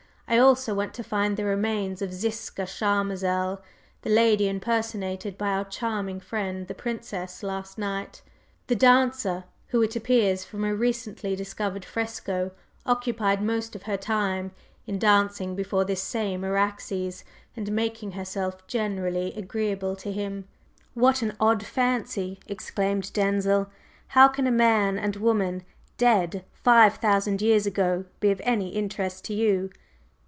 I also want to find the remains of Ziska Charmazel, the lady impersonated by our charming friend the Princess last night, the dancer, who, it appears from a recently discovered fresco, occupied most of her time in dancing before this same Araxes and making herself generally agreeable to him." "What an odd fancy!" exclaimed Denzil. "How can a man and woman dead five thousand years ago be of any interest to you?"